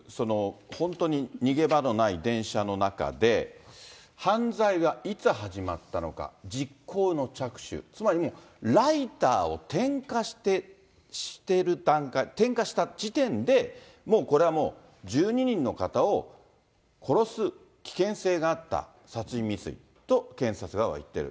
本当に逃げ場のない電車の中で、犯罪がいつ始まったのか、実行の着手、つまりもう、ライターを点火してる段階、点火した時点で、もうこれはもう、１２人の方を殺す危険性があった、殺人未遂と検察側は言っている。